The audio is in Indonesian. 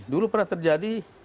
dulu pernah terjadi